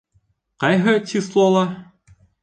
Ҡайһы числола?